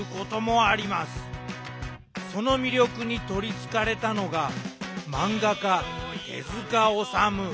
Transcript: その魅力に取りつかれたのが漫画家手治虫。